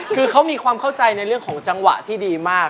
คือเขามีความเข้าใจในเรื่องของจังหวะที่ดีมาก